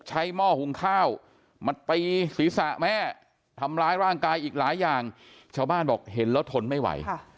หม้อหุงข้าวมาตีศีรษะแม่ทำร้ายร่างกายอีกหลายอย่างชาวบ้านบอกเห็นแล้วทนไม่ไหว